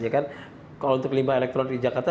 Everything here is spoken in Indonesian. kalau untuk limbah elektronik di jakarta